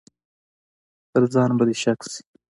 پر ځان به دې شک شي.